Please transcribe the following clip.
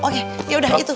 oke ya udah itu